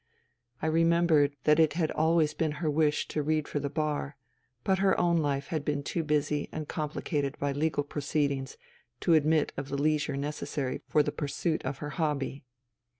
I remembered that it had always been her wish to read for the Bar, but her own life had been too busy and complicated by legal proceedings to admit of the leisure necessary for the pursuit of her hobby.